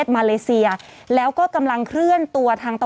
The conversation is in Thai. ศูนย์อุตุนิยมวิทยาภาคใต้ฝั่งตะวันอ่อค่ะ